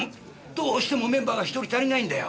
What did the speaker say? どうしてもメンバーが１人足りないんだよ。